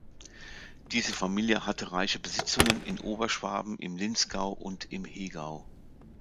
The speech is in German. Diese Familie hatte reiche Besitzungen in Oberschwaben, im Linzgau und im Hegau.